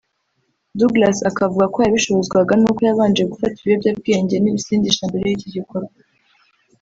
Douglas akavuga ko yabishobozwaga n’uko yabanje gufata ibiyobyabwenge n’ibisindisha mbere y’iki gikorwa